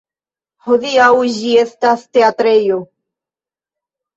Hodiaŭ ĝi estas teatrejo.